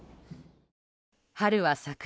春は桜